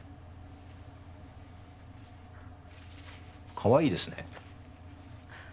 かわいいですね。